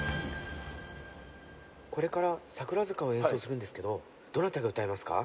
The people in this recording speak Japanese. これから「桜坂」を演奏するんですけどどなたが歌いますか？